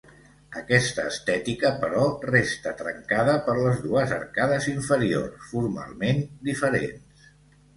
Aquesta estètica, però, resta trencada per les dues arcades inferiors, formalment diferents.